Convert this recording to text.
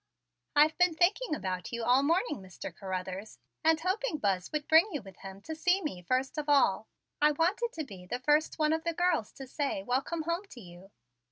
"I've been thinking about you all morning, Mr. Carruthers, and hoping Buzz would bring you with him to see me first of all. I wanted to be the first one of the girls to say, 'Welcome home' to you."